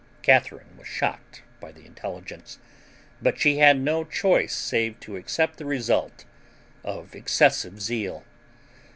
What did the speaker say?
Catharine was shocked by the intelligence, but she had no choice save to accept the result of excessive zeal.